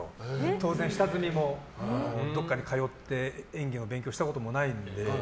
当然、下積みもどこかに通って演技の勉強したこともないので。